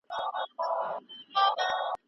زده کوونکي د خپلې مورنۍ ژبې په زده کړه کي بریالي دی.